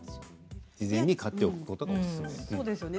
事前に買っておくことがおすすめですね。